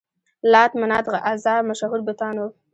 لات، منات، عزا مشهور بتان وو.